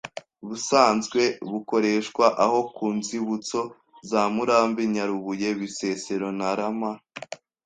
busanzwe bukoreshwa aho ku nzibutso za Murambi Nyarubuye Bisesero Ntarama